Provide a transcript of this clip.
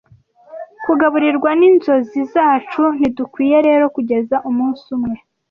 Kugaburirwa ninzozi zacu, ntidukwiye rero kugeza umunsi umwe